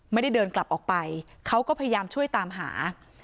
ไม่ได้เดินกลับออกไปเขาก็พยายามช่วยตามหา